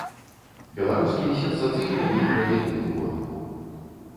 Беларускі сенсацыйна выйгралі тую гонку.